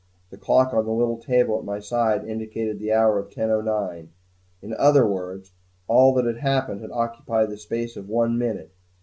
The clock on the little table at my side indicated the hour of 10:09 in other words, all that had happened had occupied the space of one minute!